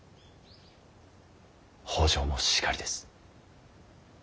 北条もしかりです。